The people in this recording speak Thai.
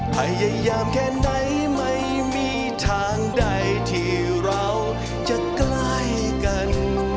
พยายามแค่ไหนไม่มีทางใดที่เราจะใกล้กัน